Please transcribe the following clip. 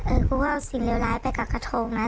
กูก็เอาสิ่งเลวร้ายไปกับกระทงนะ